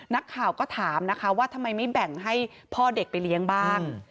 นักข่าวก็ถามนะคะว่าทำไมไม่แบ่งให้พ่อเด็กไปเลี้ยงบ้าง